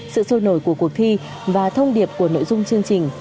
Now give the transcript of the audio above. sự sôi nổi của cuộc thi và thông điệp của nội dung chương trình